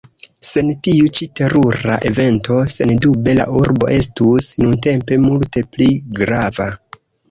Sen tiu ĉi terura evento, sendube la urbo estus nuntempe multe pli grava.